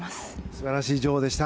素晴らしい女王でした。